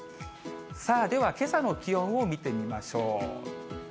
さあ、ではけさの気温を見てみましょう。